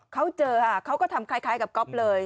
เขาเจอค่ะเขาก็ทำคล้ายกับก๊อฟเลย